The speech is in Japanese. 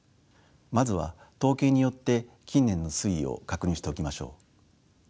まずは統計によって近年の推移を確認しておきましょう。